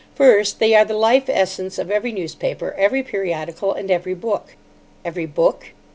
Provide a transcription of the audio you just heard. First, they are the life essence of every newspaper, every periodical, and every book." "Every book?"